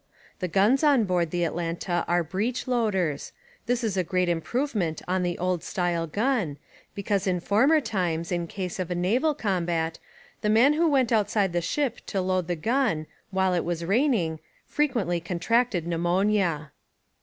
The guns on board the Atlanta are breech loaders; this is a great improvement on the old style gun, because in former times in case of a naval combat, the man who went outside the ship to load the gun, while it was raining, frequently con tracted pneumonia."